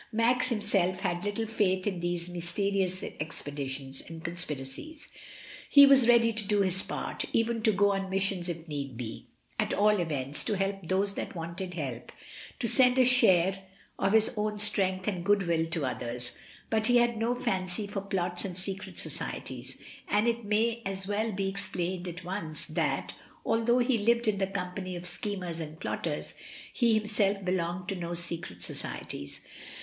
Max himself had little faith in these mysterious expeditions and conspiracies. He was ready to do his part, even to go on missions if need be; at all events, to help those that wanted help, to send a share of his own strength and good will to others, but he had no fancy for plots and secret societies; and it may as well be explained at once, A LA PECHE MIRACULEUSE. IO5 that, although he lived in the company of schemers and plotters, he himself belonged to no secret societies.